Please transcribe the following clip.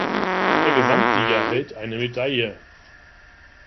Der Gesamtsieger erhält eine Medaille.